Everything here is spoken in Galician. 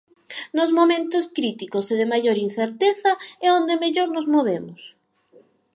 Nos momentos críticos e de maior incerteza é onde mellor nos movemos.